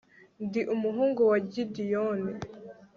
ndi umuhungu wa gidiyoni